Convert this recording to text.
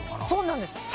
そうなんです。